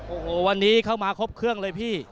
โอ้โหวันนี้เข้ามาครบเครื่องเลยพี่